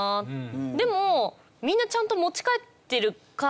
でもみんなちゃんと持ち帰ってるか